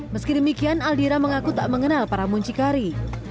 meski demikian aldira mengaku tak mengenal para muncikari